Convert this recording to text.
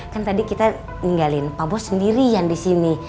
kan tadi kita ninggalin pak bos sendirian di sini